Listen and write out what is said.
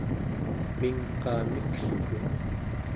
mingqaa mikluku